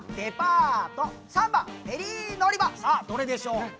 さあどれでしょう？